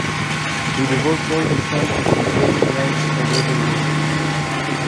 He devotes all his time to the degrading rites o devil-worship.